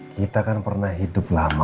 kita kan pernah hidup lama